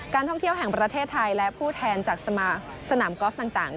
ท่องเที่ยวแห่งประเทศไทยและผู้แทนจากสนามกอล์ฟต่าง